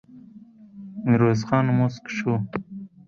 ميرويس خان موسک شو.